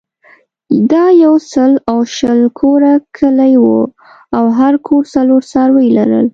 دا یو سل او شل کوره کلی وو او هر کور څلور څاروي لرل.